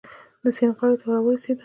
د سیند غاړې ته را ورسېدو.